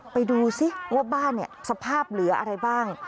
ไปดูซิว่าบ้านสภาพเหลืออะไรบ้าง